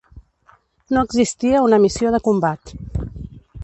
No existia una missió de combat.